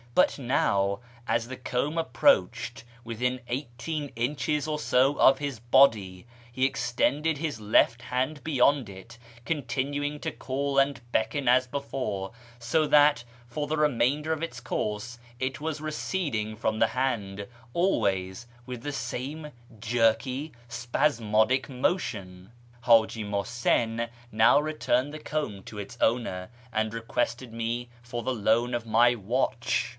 But now, as the comb approached within eighteen inches or so of his body, he extended his left hand beyond it, continuing to call and beckon as before ; so that for the remainder of its course it was receding from the hand, always with the same jerky, spasmodic motion. Haji Muhsin now returned the comb to its owner, and requested me for the loan of my watch.